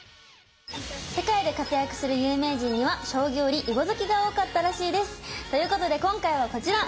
世界で活躍する有名人には将棋より囲碁好きが多かったらしいです。ということで今回はこちら！